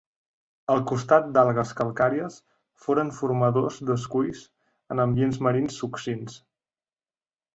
Al costat d'algues calcàries, foren formadors d'esculls en ambients marins succints.